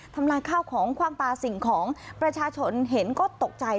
ทำลายข้าวของคว่างปลาสิ่งของประชาชนเห็นก็ตกใจ